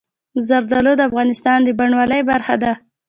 زردالو د افغانستان د بڼوالۍ برخه ده.